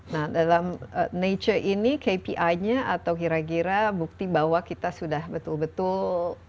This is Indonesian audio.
nah dalam nature ini kpi nya atau kira kira bukti bahwa kita sudah betul betul